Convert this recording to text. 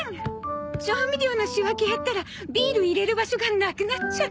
調味料の仕分けやったらビール入れる場所がなくなっちゃって。